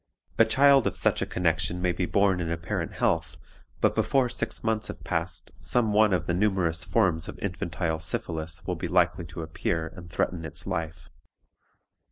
"A child of such a connection may be born in apparent health, but before six months have passed, some one of the numerous forms of infantile syphilis will be likely to appear and threaten its life.